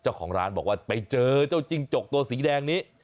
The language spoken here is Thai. เจ้าของร้านบอกว่าไปเจอจะวจิงจอกสีแดงนี้